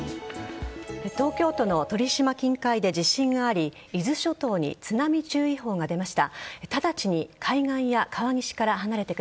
東京都の鳥島近海で地震があり伊豆諸島に津波注意報が出ました。